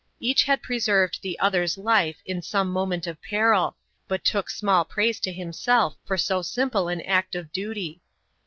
Each had preserved the other's life in some moment of peril, but took small praise to himself for so simple an act of duty.